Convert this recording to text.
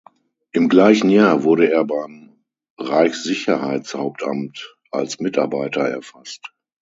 Im gleichen Jahr wurde er beim Reichssicherheitshauptamt als Mitarbeiter erfasst.